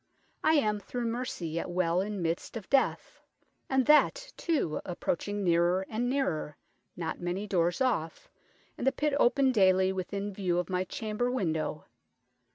I am, through mercy, yet well in middest of death, and that, too, approaching neerer and neerer : not many doores off, and the pitt open dayly within view of my chamber window.